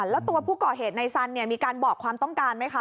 แล้วตัวผู้ก่อเหตุในสันมีการบอกความต้องการไหมคะ